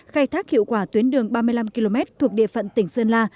khai thác hiệu quả tuyến đường ba mươi năm km thuộc địa phận tỉnh sơn la